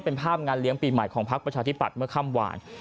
เป็นภาพงานเลี้ยงปีใหม่ของพักประชาธิปัตย์เมื่อค่ำหวาน